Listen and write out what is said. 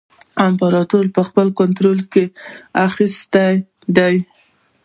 امپراطور په خپل کنټرول کې اخیستی دی.